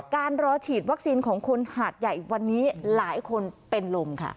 การรอฉีดวัคซีนของคนหาดใหญ่วันนี้หลายคนเป็นลมค่ะ